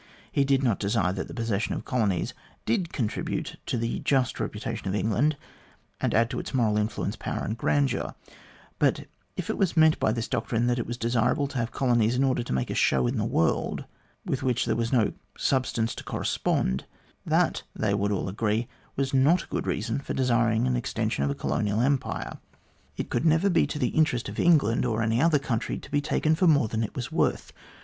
He did not deny that the possession of colonies did contri bute to the just reputation of England, and add to its moral influence, power, and grandeur; but, if it was meant by this doctrine that it was desirable to have colonies in order to make a show in the world, with which there was no substance to correspond, that, they would all agree, was not a good reason for desiring an extension of a colonial empire. It never could be to the interest of England, or any other country, to be taken for more than it was worth.